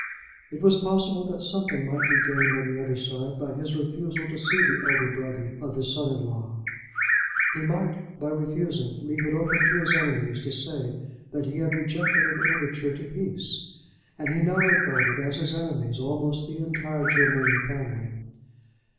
It was possible that something might be gained on the other side by his refusal to see the elder brother of his son in law. He might, by refusing, leave it open to his enemies to say that he had rejected an overture to peace, and he now regarded as his enemies almost the entire Germain family.